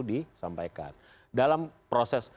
disampaikan dalam proses